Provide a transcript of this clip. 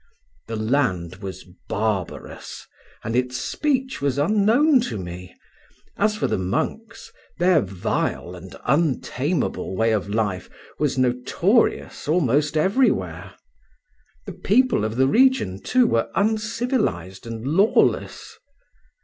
The land was barbarous and its speech was unknown to me; as for the monks, their vile and untameable way of life was notorious almost everywhere. The people of the region, too, were uncivilized and lawless.